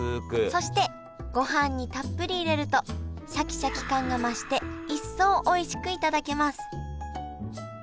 そしてごはんにたっぷり入れるとシャキシャキ感が増して一層おいしくいただけます